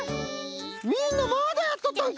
みんなまだやっとったんか。